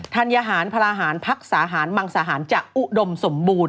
ธัญหารพลาหารพักสาหารมังสาหารจะอุดมสมบูรณ